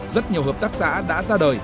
rất nhiều hợp tác xã đã ra đời